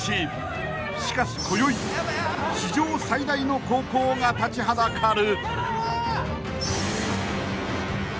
［しかしこよい史上最大の高校が立ちはだかる］